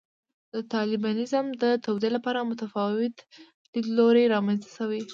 د طالبانیزم د توضیح لپاره متفاوت لیدلوري رامنځته شوي.